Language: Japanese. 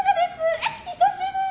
え、久しぶり！